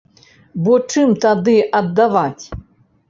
Бо чым тады аддаваць?